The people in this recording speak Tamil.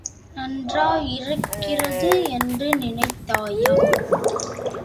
நன்றாயிருக்கிறது என்று நினைத்தாயா?